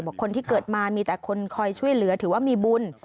คนที่เกิดมามีแต่คนคอยช่วยเหลือถือว่ามีบุญ